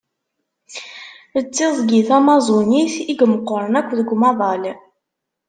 D tiẓgi Tamaẓunit i imeqqren akk deg umaḍal.